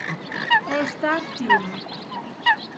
All Star Team